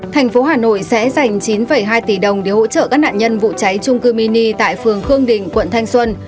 thành phố hà nội sẽ dành chín hai tỷ đồng để hỗ trợ các nạn nhân vụ cháy trung cư mini tại phường khương đình quận thanh xuân